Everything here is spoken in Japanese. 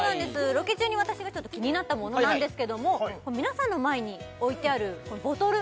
ロケ中に私が気になったものなんですけども皆さんの前に置いてあるボトル